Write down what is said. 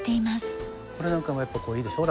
これなんかもやっぱこういいでしょ。